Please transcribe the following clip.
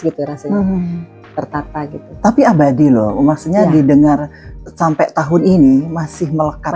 gitu rasanya tertata gitu tapi abadi loh maksudnya didengar sampai tahun ini masih melekar